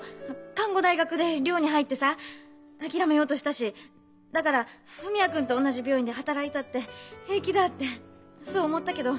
看護大学で寮に入ってさあきらめようとしたしだから文也君と同じ病院で働いたって平気だってそう思ったけど。